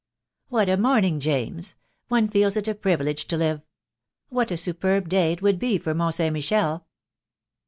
"What a morning, James! One feels it a privilege to live. What a superb day it would be for Mont St. Michel?"